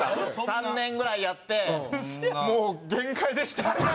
３年ぐらいやってもう限界でした。